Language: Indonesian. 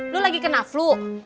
lo lagi kena flu